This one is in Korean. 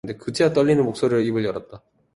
그제야 떨리는 목소리로 입을 열었다.